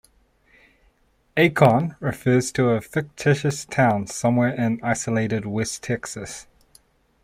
"Acorn" refers to a fictitious town somewhere in isolated west Texas.